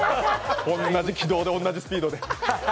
同じ軌道で同じスピードで。